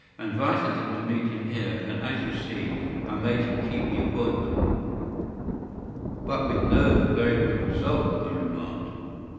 I invited them to meet him here, and, as you see, I made him keep the appointment.” “But with no very good result,” I remarked.